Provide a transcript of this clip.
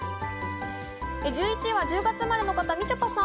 １１位は１０月生まれの方、みちょぱさん。